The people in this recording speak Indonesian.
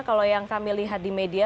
kalau yang kami lihat di media